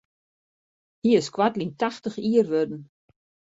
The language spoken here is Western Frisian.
Hy is koartlyn tachtich jier wurden.